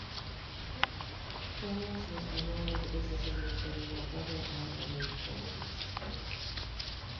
Charles was primarily the business administrator, while brother Al made films.